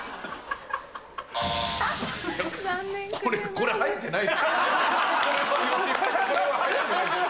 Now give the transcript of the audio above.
これは入ってない。